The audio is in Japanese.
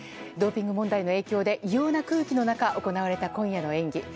ドーピング問題の影響で異様な空気の中行われた今夜の演技